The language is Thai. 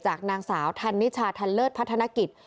จากนางสาวธรรมิชาธรรเลิศพัฒนกิจ